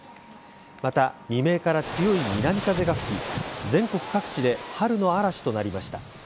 また、未明から強い南風が吹き全国各地で春の嵐となりました。